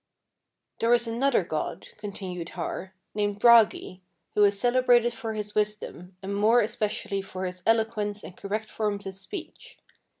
27. "There is another god," continued Har, "named Bragi, who is celebrated for his wisdom, and more especially for his eloquence and correct forms of speech.